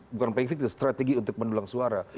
bukan playing victim strategi untuk mendulang suara